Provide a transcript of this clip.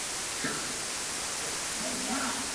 Poté se rozhodla odstěhovat zpět do Brna.